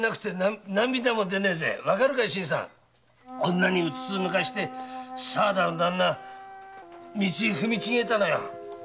女にうつつ抜かして沢田の旦那道を踏み違えたのよ。